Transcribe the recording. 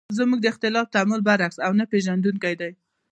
زموږ د اختلاف تعامل برعکس او نه پېژندونکی دی.